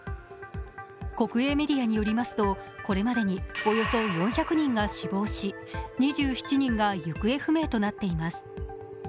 国営メディアによりますとこれまでにおよそ４００人が死亡し２７人が行方不明となっています。